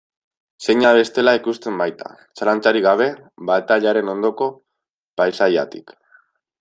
Zeina bestela ikusten baita, zalantzarik gabe, batailaren ondoko paisaiatik.